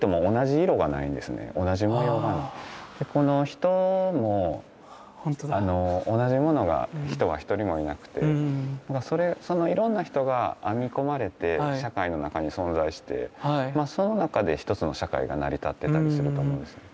人も同じ人は一人もいなくてそのいろんな人が編み込まれて社会の中に存在してその中で一つの社会が成り立ってたりすると思うんですね。